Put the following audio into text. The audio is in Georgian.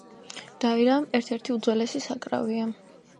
დაირა ერთ-ერთი უძველესი საკრავია.